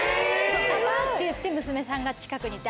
パパ！って言って娘さんが近くに行って。